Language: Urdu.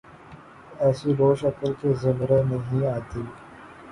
ایسی روش عقل کے زمرے میں نہیںآتی۔